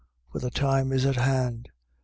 For the time is at hand. ..